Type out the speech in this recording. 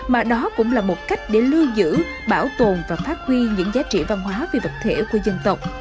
mà là một cách để lưu giữ bảo tồn và phát huy những giá trị văn hóa về vật thể của dân tộc